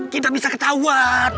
kita bisa ke cawan